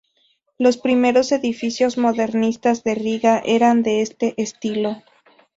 Los primeros edificios modernistas de Riga eran de este estilo.